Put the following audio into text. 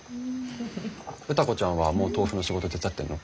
歌子ちゃんはもう豆腐の仕事手伝ってるの？